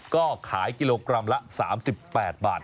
ก็ขายกิโลกรัมละ๓๘บาท